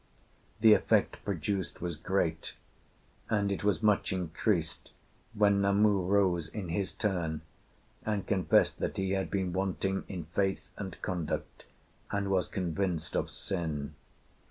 The effect produced was great, and it was much increased when Namu rose in his turn and confessed that he had been wanting in faith and conduct, and was convinced of sin.